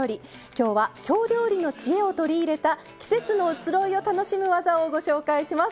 きょうは京料理の知恵を取り入れた季節の移ろいを楽しむ技をご紹介します。